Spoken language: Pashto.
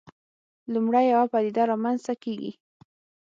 لومړی یوه پدیده رامنځته کېږي.